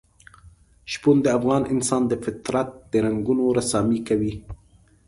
شپون د افغان انسان د فطرت د رنګونو رسامي کوي.